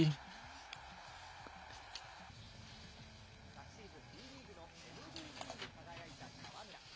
昨シーズン、ＢリーグのＭＶＰに輝いた河村。